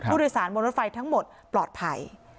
อุตส่านบนรถไฟทั้งหมดปลอดภัย